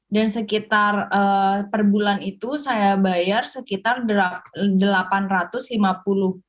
dan sekitar per bulan itu saya bayar sekitar rp delapan ratus lima puluh